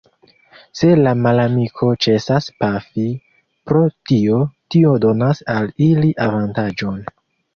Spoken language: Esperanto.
Se la malamiko ĉesas pafi pro tio, tio donas al ili avantaĝon.